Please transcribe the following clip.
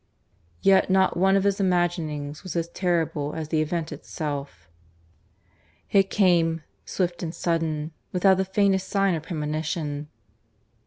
Yet not one of his imaginings was as terrible as the event itself. ... It came swift and sudden, without the faintest sign or premonition.